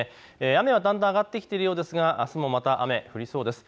雨はだんだん上がってきているようですがあすもまた雨、降りそうです。